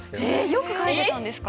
よく書いてたんですか？